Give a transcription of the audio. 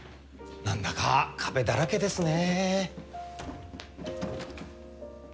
何だか壁だらけですね。